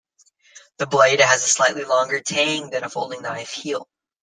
The blade has a slightly longer tang than a folding knife heel.